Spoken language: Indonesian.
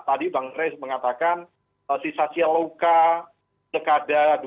tadi bang rez mengatakan si satya louka dekada dua ribu tujuh belas dekada dki